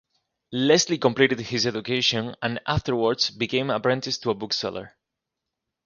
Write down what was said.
Leslie completed his education and afterwards became apprenticed to a bookseller.